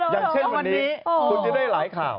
อย่างเช่นวันนี้คุณจะได้หลายข่าว